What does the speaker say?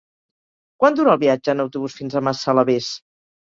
Quant dura el viatge en autobús fins a Massalavés?